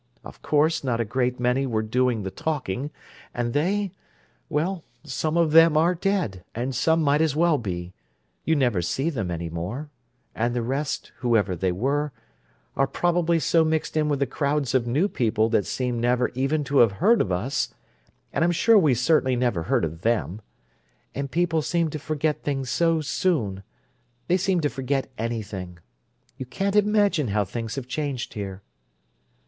Of course not a great many were doing the talking, and they—well, some of them are dead, and some might as well be—you never see them any more—and the rest, whoever they were, are probably so mixed in with the crowds of new people that seem never even to have heard of us—and I'm sure we certainly never heard of them—and people seem to forget things so soon—they seem to forget anything. You can't imagine how things have changed here!"